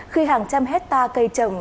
khi hàng trăm hectare cây trồng